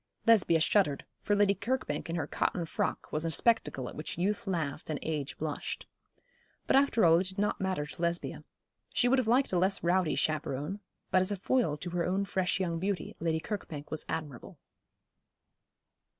Lesbia shuddered, for Lady Kirkbank in her cotton frock was a spectacle at which youth laughed and age blushed. But after all it did not matter to Lesbia. She would have liked a less rowdy chaperon; but as a foil to her own fresh young beauty Lady Kirkbank was admirable.